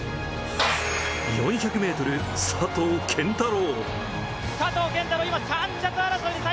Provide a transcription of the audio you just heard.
４００ｍ、佐藤拳太郎。